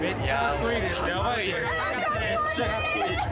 めっちゃかっこいいです。